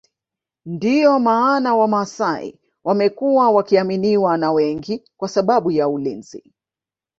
Ndio maana wamasai wamekuwa wakiaminiwa na wengi kwa sababu ya ulinzi